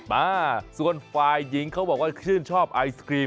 มาส่วนฝ่ายหญิงเขาบอกว่าชื่นชอบไอศกรีม